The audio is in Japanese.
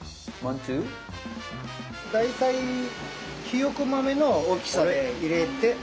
大体ひよこ豆の大きさで入れて。